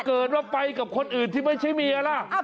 เกิดว่าไปกับคนอื่นที่ไม่ใช่เมียล่ะ